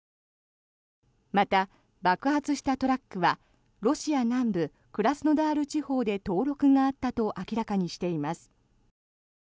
また、爆発したトラックはロシア南部クラスノダール地方で登録があったと明らかにしています。